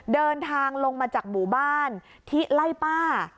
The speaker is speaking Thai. เดินทางลงมาจากหมู่บ้านที่ไล่ป้า